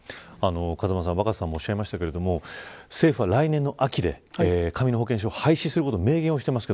風間さん、若狭さんもおっしゃいましたが政府は来年の秋で紙の保険証を廃止すると明言しています。